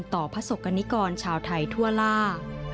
ต่อพระศกรรมกรชาวไทยทั่วล่า